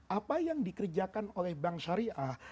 apa yang dikerjakan oleh bank syariah